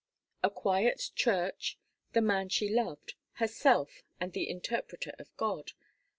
A quiet church, the man she loved, herself and the interpreter of God.